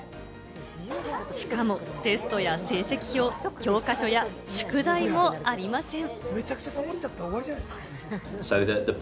しかもテストや成績表、教科書や宿題もありません。